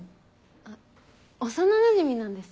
あっ幼なじみなんです。